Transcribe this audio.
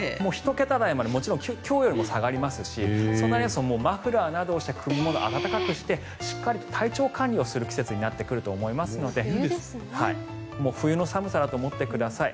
１桁台で今日よりも下がりますしマフラーなどして首元などを暖かくしてしっかりと体調管理する季節になるのでもう冬の寒さだと思ってください。